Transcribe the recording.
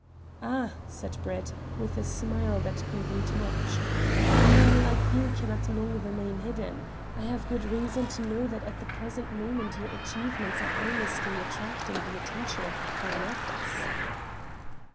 "Ah," said Brett, with a smile that conveyed much, "a man like you cannot long remain hidden. I have good reason to know that at the present moment your achievements are earnestly attracting the attention of the Foreign Office."